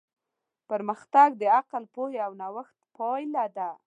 پرمختګ د عقل، پوهې او نوښت پایله ده.